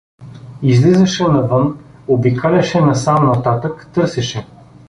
Излизаше навън, обикаляше насам-нататък, търсеше.